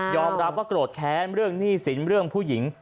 รับว่าโกรธแค้นเรื่องหนี้สินเรื่องผู้หญิง